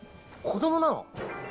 子どもなの？